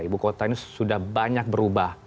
ibu kota ini sudah banyak berubah